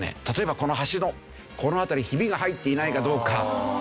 例えばこの橋のこの辺りヒビが入っていないかどうか。